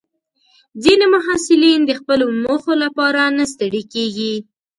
ځینې محصلین د خپلو موخو لپاره نه ستړي کېږي.